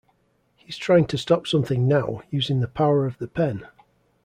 He's trying to stop something now, using the power of the pen.